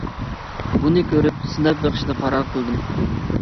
بۇنى كۆرۈپ سىناپ بېقىشنى قارار قىلدىم.